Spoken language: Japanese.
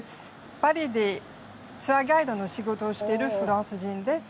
パリで、ツアーガイドの仕事をしているフランス人です。